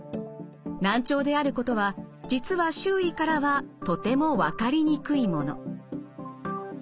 難聴であることは実は周囲からはとても分かりにくいもの。